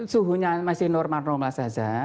suhunya masih normal normal saja